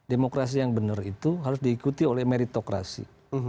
demokrasi yang benar itu harus diikuti oleh meritokrasi